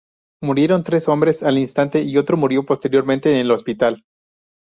Murieron tres hombres al instante y otro murió posteriormente en el hospital.